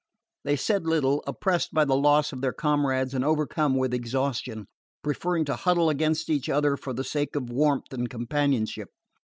They said little, oppressed by the loss of their comrades and overcome with exhaustion, preferring to huddle against each other for the sake of warmth and companionship.